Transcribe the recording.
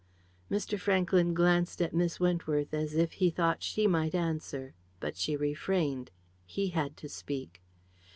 Mr. Franklyn glanced at Miss Wentworth as if he thought that she might answer. But she refrained. He had to speak.